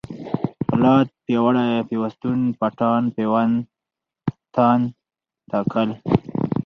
پولاد ، پیاوړی ، پيوستون ، پټان ، پېوند ، تاند ، تکل